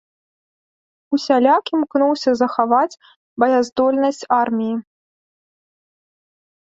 Усяляк імкнуўся захаваць баяздольнасць арміі.